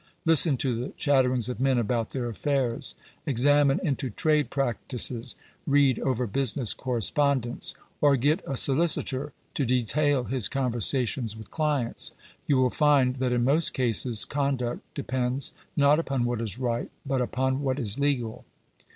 Listen to the chattings of men about their affairs; examine into trade practices; read over business correspondence; or get a solicitor to detail his conversations with clients :— you will find that in most cases conduct depends, not upon what is right, but upon what is legal.